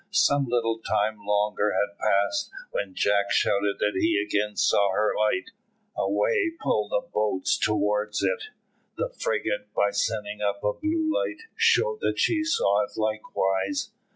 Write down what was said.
Some little time longer had passed, when Jack shouted that he again saw her light. Away the boat pulled towards it. The frigate, by sending up a blue light, showed that she saw it likewise.